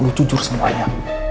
lo jujur semuanya